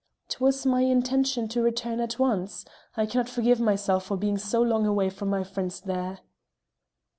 "'Twas my intention to return at once. I cannot forgive myself for being so long away from my friends there."